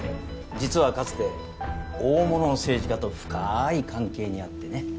実はかつて大物政治家と深い関係にあってね。